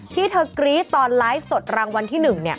ที่เธอกรี๊ดตอนไลฟ์สดรางวัลที่๑